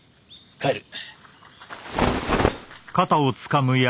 帰る。